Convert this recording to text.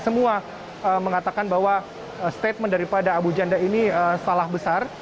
semua mengatakan bahwa statement daripada abu janda ini salah besar